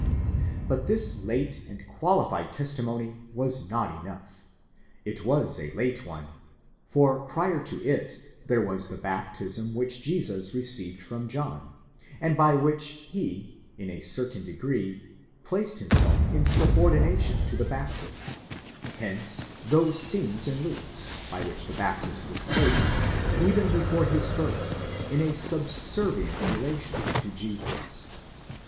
But this late and qualified testimony was not enough. It was a late one, for prior to it there was the baptism which Jesus received from John, and by which he, in a certain degree, placed himself in subordination to the Baptist ; hence those scenes in Luke, by which the Baptist was placed, even before his birth, in a subservient relation to Jesus.